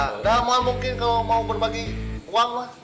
nggak mungkin kau mau berbagi uang lah